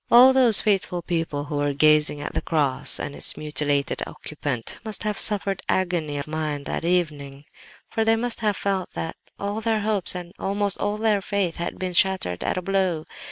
All those faithful people who were gazing at the cross and its mutilated occupant must have suffered agony of mind that evening; for they must have felt that all their hopes and almost all their faith had been shattered at a blow.